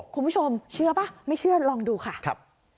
คุณผู้ชมเชื่อป่ะไม่เชื่อลองดูค่ะครับ